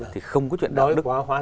thì không có chuyện đạo đức